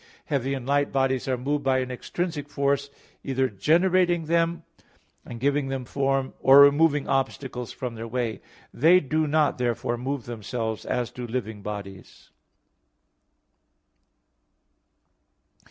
Heavy and light bodies are moved by an extrinsic force, either generating them and giving them form, or removing obstacles from their way. They do not therefore move themselves, as do living bodies.